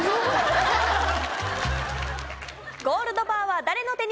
ゴールドバーは誰の手に？